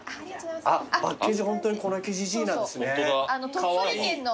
鳥取県の。